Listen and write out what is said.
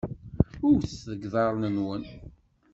Wtet deg iḍarren-nwen!